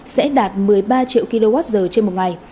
sẽ đạt một mươi ba triệu kwh trên một ngày